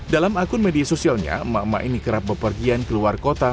dalam akun media sosialnya emak emak ini kerap bepergian keluar kota